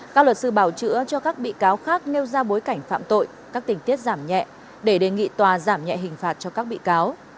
các luật sư bảo chữa cho các bị cáo khác nêu ra bối cảnh phạm tội các tình tiết giảm nhẹ để đề nghị tòa giảm nhẹ hình phạt cho các bị cáo